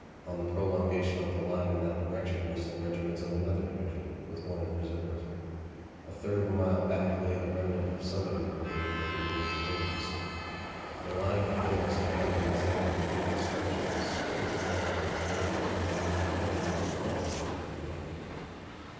On the prolongation of the line in that direction were some regiments of another division, with one in reserve. A third of a mile back lay the remnant of somebody's brigade looking to its wounds. The line of forest bounding this end of the field stretched as straight as a wall from the right of my regiment to Heaven knows what regiment of the enemy.